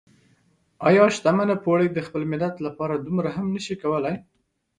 ايا شتمنه پوړۍ د خپل ملت لپاره دومره هم نشي کولای؟